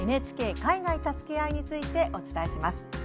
ＮＨＫ海外たすけあいについてお伝えします。